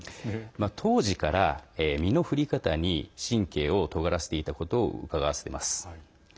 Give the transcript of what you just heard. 当時から身の振り方に神経をとがらせていたことをうかがわせてます。